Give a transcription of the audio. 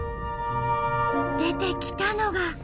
出てきたのが。